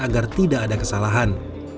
agar tidak ada kesalahan